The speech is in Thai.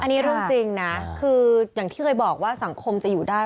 อันนี้เรื่องจริงนะคืออย่างที่เคยบอกว่าสังคมจะอยู่ได้